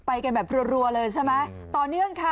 ไปกันแบบรัวเลยใช่ไหมต่อเนื่องค่ะ